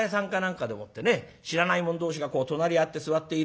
知らない者同士が隣り合って座っている。